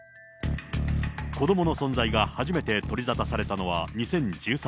子どもの存在が初めて取り沙汰されたのは２０１３年。